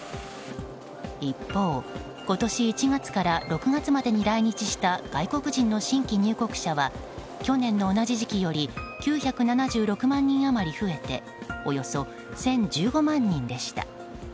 一方、今年１月から６月までに来日した外国人の新規入国者は去年の同じ時期より９７６万人余り増えておよそ１０１５万人でした。